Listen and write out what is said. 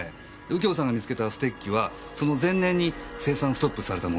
右京さんが見つけたステッキはその前年に生産ストップされたもんでした。